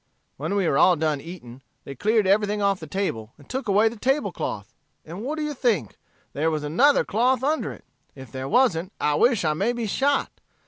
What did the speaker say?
"When we were all done eating, they cleared everything off the table, and took away the table cloth. And what do you think? There was another cloth under it. If there wasn't, I wish I may be shot!